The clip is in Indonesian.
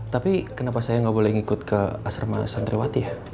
tapi kenapa saya nggak boleh ngikut ke asrama santriwati ya